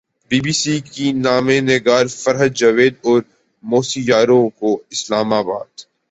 be B C کی نامہ نگار فرحت جاوید اور موسی یاوری کو اسلام آباد